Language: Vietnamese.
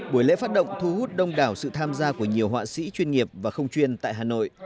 buổi lễ phát động thu hút đông đảo sự tham gia của nhiều họa sĩ chuyên nghiệp và không chuyên tại hà nội